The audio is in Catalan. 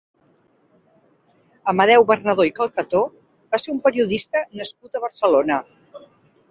Amadeu Bernadó i Calcató va ser un periodista nascut a Barcelona.